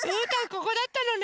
ここだったのね。